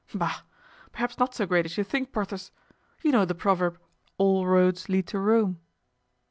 "Bah! perhaps not so great as you think, Porthos; you know the proverb, 'All roads lead to Rome.